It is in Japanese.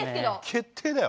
決定だよ。